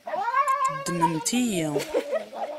Ddmemt-iyi.